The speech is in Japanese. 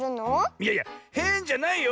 いやいやへんじゃないよ。